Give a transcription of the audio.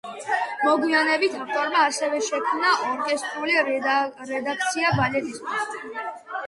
მოგვიანებით ავტორმა ასევე შექმნა ორკესტრული რედაქცია ბალეტისთვის.